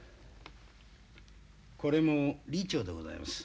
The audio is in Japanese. これも李朝でございます。